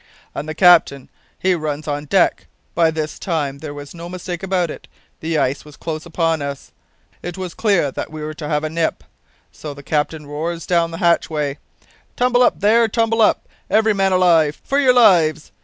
"And the captain he runs on deck. By this time there was no mistake about it; the ice was close upon us. It was clear that we were to have a nip. So the captain roars down the hatchway, `Tumble up there! tumble up! every man alive! for your lives!'